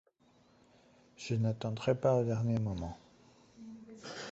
Je n’attendrai pas au dernier moment !